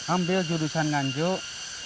ambil judusan nganjuk